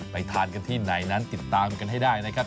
ทานกันที่ไหนนั้นติดตามกันให้ได้นะครับ